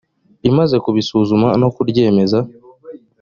imaze kubisuzuma no kuryemeza